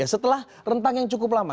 setelah rentang yang cukup lama